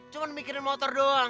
cuman mikirin motor doang